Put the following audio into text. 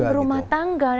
dan berumah tangga